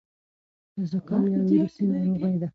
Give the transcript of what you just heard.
زکام یو ویروسي ناروغي ده.